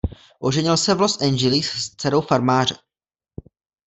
Oženil se v Los Angeles s dcerou farmáře.